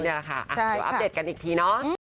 เดี๋ยวอัปเดตกันอีกทีเนาะ